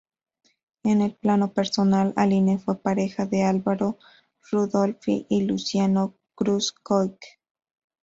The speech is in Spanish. En el plano personal, Aline fue pareja de Álvaro Rudolphy y Luciano Cruz-Coke.